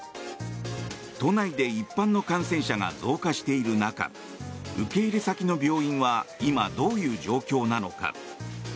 都内で一般の感染者が増加している中受け入れ先の病院は今、どういう状況なのか。